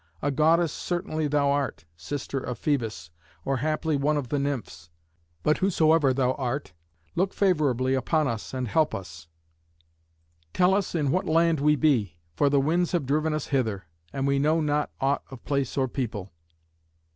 A goddess certainly thou art, sister of Phœbus, or, haply, one of the nymphs. But whosoever thou art, look favourably upon us and help us. Tell us in what land we be, for the winds have driven us hither, and we know not aught of place or people."